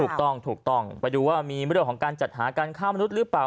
ถูกต้องถูกต้องไปดูว่ามีเรื่องของการจัดหาการฆ่ามนุษย์หรือเปล่า